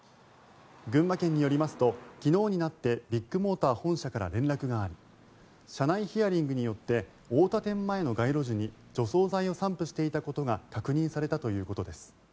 群馬県によりますと昨日になってビッグモーター本社から連絡があり社内ヒアリングによって太田店前の街路樹に除草剤を散布していたことが確認されたということです。